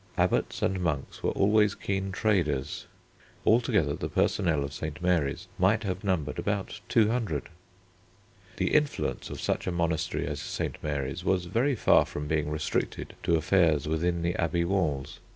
Abbots and monks were always keen traders. Altogether the personnel of St. Mary's might have numbered about two hundred. The influence of such a monastery as St. Mary's was very far from being restricted to affairs within the abbey walls.